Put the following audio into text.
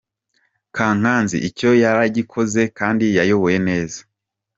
Kankazi icyo yaragikoze kandi yayoboye neza.